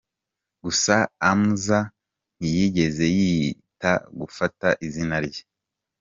Gusa Amza ntiyigeze yita gufata izina rye.